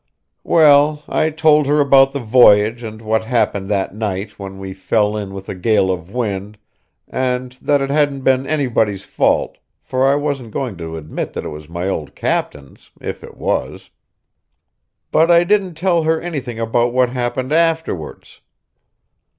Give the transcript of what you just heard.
Well, I told her about the voyage and what happened that night when we fell in with a gale of wind, and that it hadn't been anybody's fault, for I wasn't going to admit that it was my old captain's, if it was. But I didn't tell her anything about what happened afterwards.